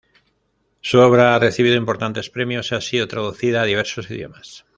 Su obra ha recibido importantes premios y ha sido traducida a diversos idiomas.